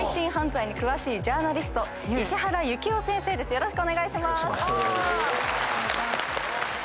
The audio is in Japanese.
よろしくお願いします。